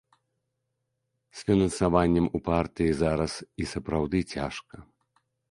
З фінансаваннем у партыі зараз і сапраўды цяжка.